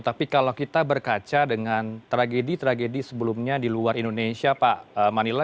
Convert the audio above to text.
tapi kalau kita berkaca dengan tragedi tragedi sebelumnya di luar indonesia pak manila